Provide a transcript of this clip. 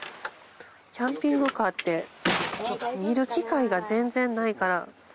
キャンピングカーって見る機会が全然ないから。